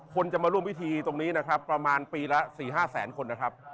คนจะมาร่วมพิธีตรงนี้นะครับประมาณปีละ๔๕แสนคนนะครับ